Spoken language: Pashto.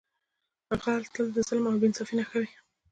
غل تل د ظلم او بې انصافۍ نښه وي